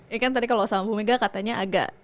ya kan tadi kalau sama bu mega katanya agak